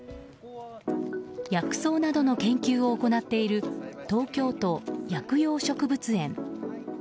薬草などの研究を行っている東京都薬用植物園。